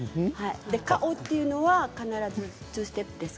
カオというのは必ずツーステップです。